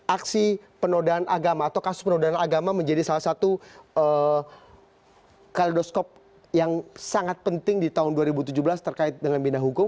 aksi penodaan agama atau kasus penodaan agama menjadi salah satu kaledoskop yang sangat penting di tahun dua ribu tujuh belas terkait dengan bina hukum